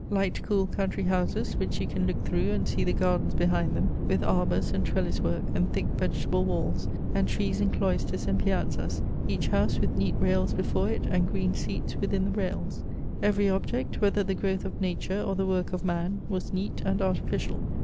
Light cool country houses, which you can look through and see the gardens behind them, with arbours and trellis work, and thick vegetable walls, and trees in cloisters and piazzas, each house with neat rails before it, and green seats within the rails. Every object, whether the growth of nature or the work of man, was neat and artificial.